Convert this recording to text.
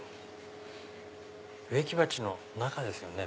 植木鉢の中ですよね